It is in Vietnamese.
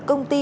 công ty ba